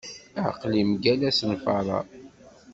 Aql-i mgal asenfar-a.